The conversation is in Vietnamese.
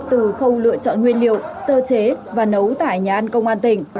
từ khâu lựa chọn nguyên liệu sơ chế và nấu tại nhà ăn công an tỉnh